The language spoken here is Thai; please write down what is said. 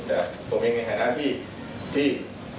แต่ผมเองในฐานะที่